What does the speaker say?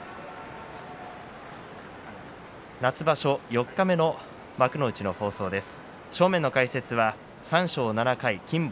夏場所四日目の幕内の放送です。